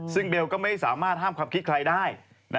ซึ่งเบลก็ไม่สามารถห้ามความคิดใครได้